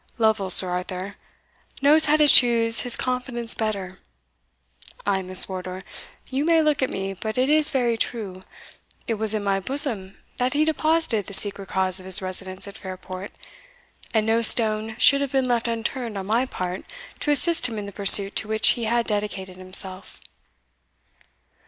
Lovel, Sir Arthur, knows how to choose his confidants better Ay, Miss Wardour, you may look at me but it is very true; it was in my bosom that he deposited the secret cause of his residence at Fairport; and no stone should have been left unturned on my part to assist him in the pursuit to which he had dedicated himself."